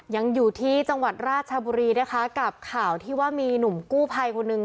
ยังอยู่ที่จังหวัดราชบุรีนะคะกับข่าวที่ว่ามีหนุ่มกู้ภัยคนหนึ่ง